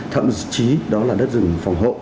thậm chí đó là đất rừng phòng hộ